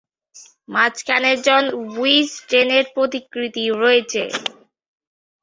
মাঝখানে জন উইজডেনের প্রতিকৃতি রয়েছে।